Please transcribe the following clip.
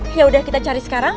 yaudah kita cari sekarang